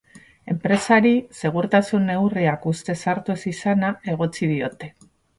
Enpresari segurtasun neurriak ustez hartu ez izana egotzi diote.